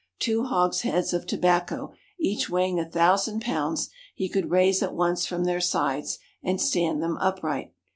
Two hogsheads of tobacco, each weighing a thousand pounds, he could raise at once from their sides, and stand them upright.